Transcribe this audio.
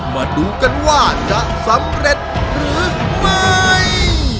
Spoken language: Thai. มาดูกันว่าจะสำเร็จหรือไม่